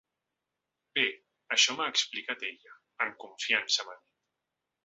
Bé, això m’ha explicat ella, en confiança m’ha dit.